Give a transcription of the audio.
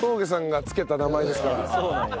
そうなんや。